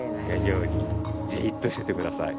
ようにじっとしててください。